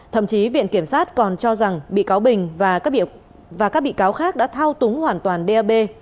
thậm chí viện kiểm sát còn cho rằng bị cáo bình và các bị cáo khác đã thao túng hoàn toàn dap